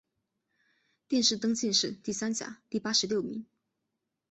殿试登进士第三甲第八十六名。